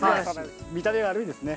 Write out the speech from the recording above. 見た目悪いですね。